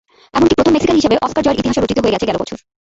এমনকি প্রথম মেক্সিকান হিসেবে অস্কার জয়ের ইতিহাসও রচিত হয়ে গেছে গেল বছর।